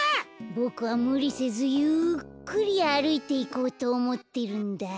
ボクはむりせずゆっくりあるいていこうとおもってるんだ。